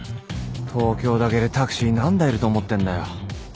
東京だけでタクシー何台いると思ってんだよ？